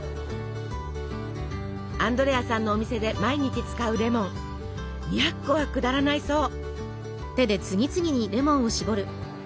アンドレアさんのお店で毎日使うレモン２００個は下らないそう！